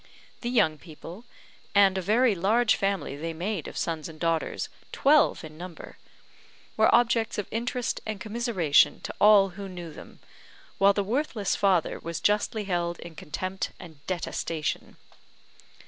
The young people and a very large family they made of sons and daughters, twelve in number were objects of interest and commiseration to all who knew them, while the worthless father was justly held in contempt and detestation.